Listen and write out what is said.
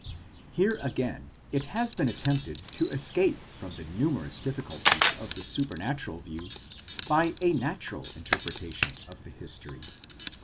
38 Here again it has been attempted to escape from the numerous difficulties of the supranatural view, by a natural interpretation of the history.